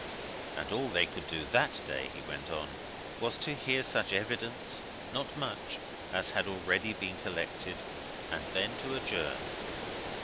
And all they could do that day, he went on, was to hear such evidence not much as had already been collected, and then to adjourn.